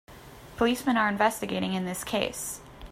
Policemen are investigating in this case.